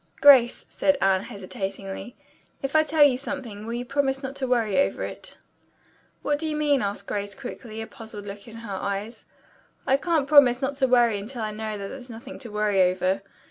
"Grace," said Anne hesitatingly, "if I tell you something, will you promise not to worry over it?" "What do you mean?" asked Grace quickly, a puzzled look in her eyes. "I can't promise not to worry until I know that there's nothing to worry over.